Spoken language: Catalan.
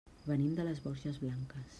Venim de les Borges Blanques.